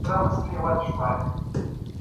ډیپلوماټان څنګه سیاسي بندیان خوشي کوي؟